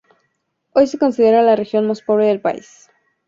Hoy se considera la región más pobre del país.